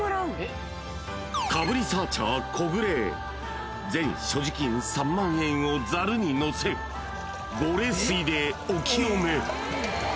［かぶリサーチャー木暮全所持金３万円をざるにのせご霊水でお清め］